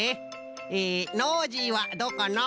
えノージーはどうかのう？